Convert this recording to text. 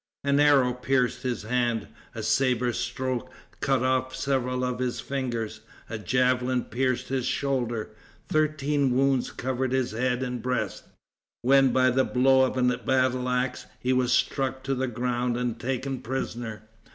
An arrow pierced his hand; a saber stroke cut off several of his fingers; a javelin pierced his shoulder; thirteen wounds covered his head and breast, when by the blow of a battle ax he was struck to the ground and taken prisoner.